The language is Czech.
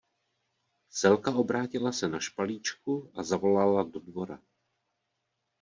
Selka obrátila se na špalíčku a zavolala do dvora.